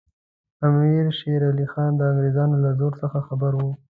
امیر شېر علي خان د انګریزانو له زور څخه خبر وو.